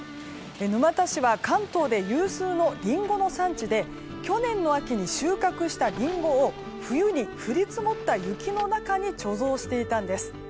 沼田市は関東で有数のリンゴの産地で去年の秋に収穫したリンゴを冬に降り積もった雪の中に貯蔵していたんです。